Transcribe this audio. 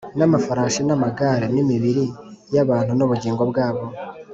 n’amafarashi n’amagare, n’imibiri y’abantu n’ubugingo bwabo.